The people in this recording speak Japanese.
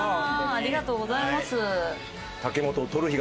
ありがとうございます。